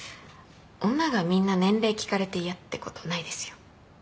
女がみんな年齢聞かれて嫌ってことないですよ。